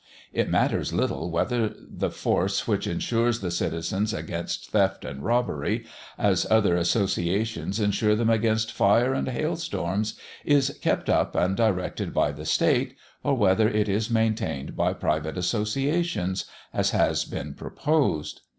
It matters little whether the force which insures the citizens against theft and robbery, as other associations insure them against fire and hail storms, is kept up and directed by the State, or whether it is maintained by private associations as has been proposed.